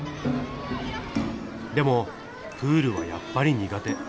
でもプールはやっぱり苦手。